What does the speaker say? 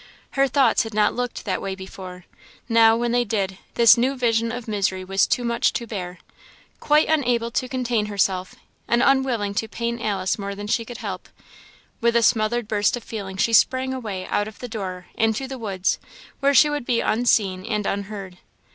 Her thoughts had not looked that way before; now, when they did, this new vision of misery was too much to bear. Quite unable to contain herself, and unwilling to pain Alice more than she could help, with a smothered burst of feeling she sprang away, out of the door, into the woods, where she would be unseen and unheard.